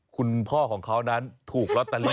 คุณพ่อของเขานั้นถูกลอตเตอรี่